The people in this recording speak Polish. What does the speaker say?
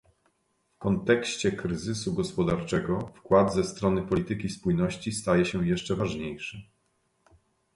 W kontekście kryzysu gospodarczego wkład ze strony polityki spójności staje się jeszcze ważniejszy